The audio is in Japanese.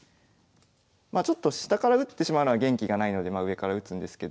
まあちょっと下から打ってしまうのは元気がないので上から打つんですけど。